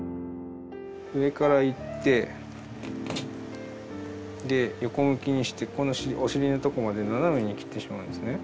上からいってで横向きにしてこのお尻のとこまで斜めに切ってしまうんですね。